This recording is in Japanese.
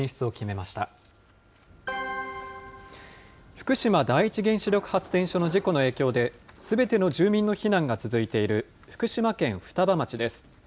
福島第一原子力発電所の事故の影響で、すべての住民の避難が続いている福島県双葉町です。